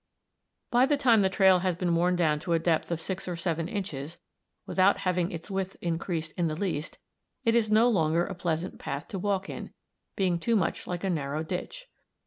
By the time the trail has been worn down to a depth of 6 or 7 inches, without having its width increased in the least, it is no longer a pleasant path to walk in, being too much like a narrow ditch.